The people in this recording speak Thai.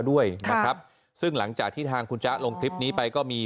ด้วยนะครับซึ่งหลังจากที่ทางคุณจ๊ะลงคลิปนี้ไปก็มี